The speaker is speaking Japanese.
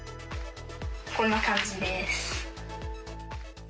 こんな感じです。